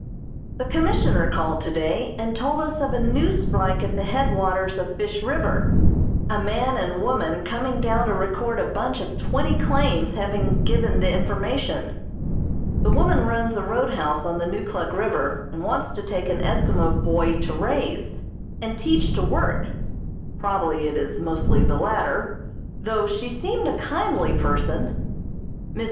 The Commissioner called today and told us of a new strike at the headwaters of Fish River; a man and woman coming down to record a bunch of twenty claims having given the information. The woman runs a roadhouse on the Neukluk River, and wants to take an Eskimo boy to raise, and teach to work probably it is mostly the latter, though she seemed a kindly person. Miss J.